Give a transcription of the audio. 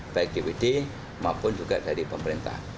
baik dpd maupun juga dari pemerintah